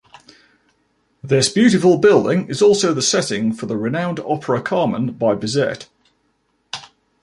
This beautiful building is also the setting for the renowned opera, "Carmen", by Bizet.